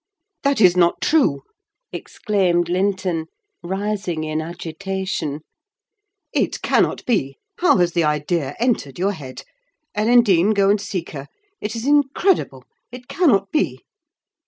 "That is not true!" exclaimed Linton, rising in agitation. "It cannot be: how has the idea entered your head? Ellen Dean, go and seek her. It is incredible: it cannot be."